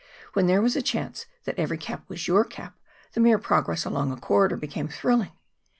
When there was a chance that every cap was YOUR cap, the mere progress along a corridor became thrilling."